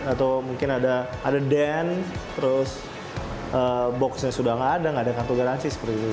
atau mungkin ada den terus boxnya sudah nggak ada nggak ada kartu garansi seperti itu